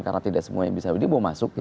karena tidak semua yang bisa jadi mau masuk